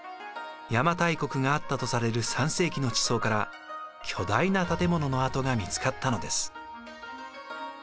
邪馬台国があったとされる３世紀の地層から巨大な建物の跡が見つかったのです。